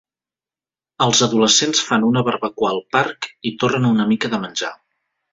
Els adolescents fan una barbacoa al parc i torren una mica de menjar.